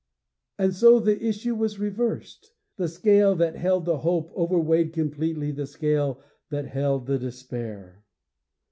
And so the issue was reversed; the scale that held the hope overweighed completely the scale that held the despair.